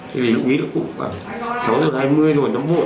thì lúc mỹ cũng khoảng sáu giờ hai mươi rồi nóng bộ